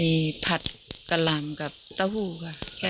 มีผัดกะหล่ำกับเต้าหู้ค่ะ